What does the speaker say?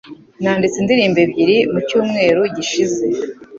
Nanditse indirimbo ebyiri mucyumweru gishize.